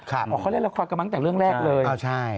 เพราะเขาเล่นละครกันมาตั้งแต่เรื่องแรกเลย